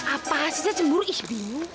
apa hasilnya cemburu ih bingung